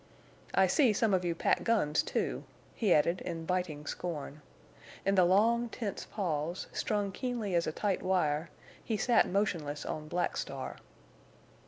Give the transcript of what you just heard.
"I see some of you pack guns, too!" he added, in biting scorn. In the long, tense pause, strung keenly as a tight wire, he sat motionless on Black Star.